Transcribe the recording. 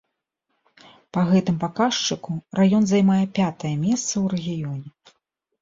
Па гэтым паказчыку раён займае пятае месца ў рэгіёне.